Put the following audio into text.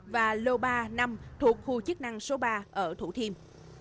và lô ba năm thuộc khu chức năng số ba ở thủ thiêm